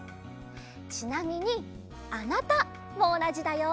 ちなみに「あなた」もおなじだよ。